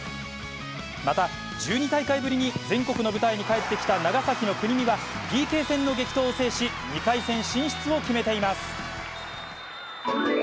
また、１２大会ぶりに全国の舞台に帰ってきた長崎の国見は、ＰＫ戦の激闘を制し、２回戦進出を決めています。